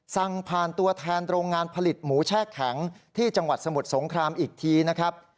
สั่งผ่านตัวแทนโรงงานผลิตหมูแช่แข็งที่จังหวัดสมุทรสงครามอีกทีนะครับ